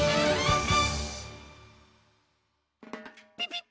ピピッ！